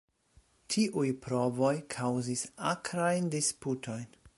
Tiuj provoj kaŭzis akrajn disputojn.